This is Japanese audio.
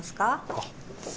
あっ。